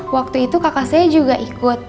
waktu itu kakak saya juga ikut